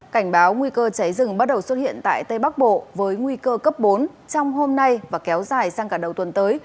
cảnh báo nguy cơ cháy rừng bắt đầu xuất hiện tại tây bắc bộ với nguy cơ cấp bốn trong hôm nay và kéo dài sang cả đầu tuần tới